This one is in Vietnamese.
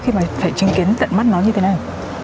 khi mà phải chứng kiến tận mắt nó như thế nào